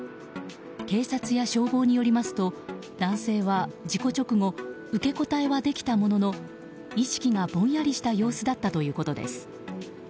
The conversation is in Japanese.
警察や消防によりますと男性は事故直後受け答えはできたものの意識がぼんやりした様子だったということです。